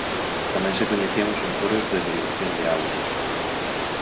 Tamén se coñecían os encoros de derivación de auga.